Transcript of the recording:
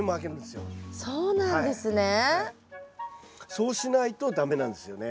そうしないと駄目なんですよね。